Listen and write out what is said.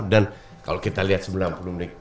dan kalau kita lihat sembilan puluh menit